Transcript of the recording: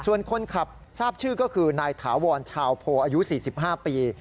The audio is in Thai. ส่วนคนขับทราบชื่อก็คือนายถาวรชาวโพอายุ๔๕ปี